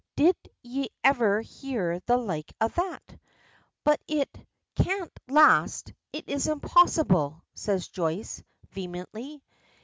"Did ye iver hear the like o' that?" "But it can't last it is impossible," says Joyce, vehemently.